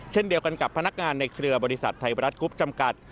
เช่นเดียวกันกับพนักงานในเครือบริษัทไทยบรัฐกรุ๊ปจำกัด